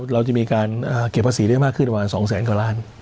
เราจะมีการเก็บภาษีได้มากขึ้นประมาณ๒แสนกว่าล้าน